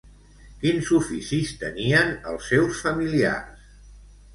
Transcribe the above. Quins oficis tenien els seus familiars?